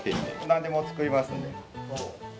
なんでも作りますんで。